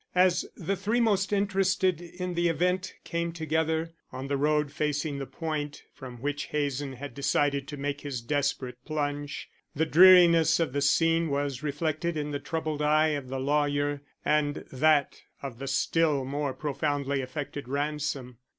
As the three most interested in the event came together on the road facing the point from which Hazen had decided to make his desperate plunge, the dreariness of the scene was reflected in the troubled eye of the lawyer and that of the still more profoundly affected Ransom.